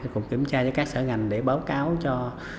cũng kiểm tra cho các sở ngành để báo cáo cho